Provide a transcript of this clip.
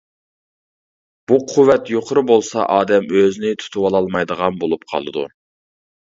بۇ قۇۋۋەت يۇقىرى بولسا ئادەم ئۆزىنى تۇتۇۋالالمايدىغان بولۇپ قالىدۇ.